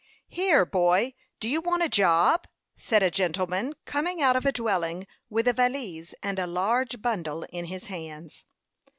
"Here, boy, do you want a job?" said a gentleman, coming out of a dwelling with a valise and a large bundle in his hands.